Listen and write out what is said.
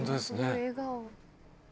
笑顔。